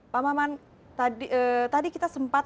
pak maman tadi kita sempat